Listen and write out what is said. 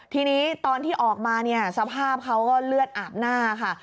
ทีนี้ตอนที่ออกมาเนี่ยสภาพเขาก็เลือดอาบหน้าค่ะ